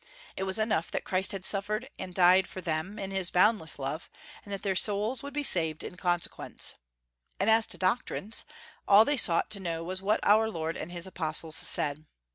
It was enough that Christ had suffered and died for them, in his boundless love, and that their souls would be saved in consequence. And as to doctrines, all they sought to know was what our Lord and his apostles said.